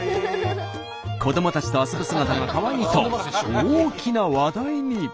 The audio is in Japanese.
子どもたちと遊ぶ姿がかわいいと大きな話題に。